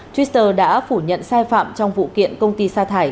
twitter đã phủ nhận sai phạm trong vụ kiện công ty xa thải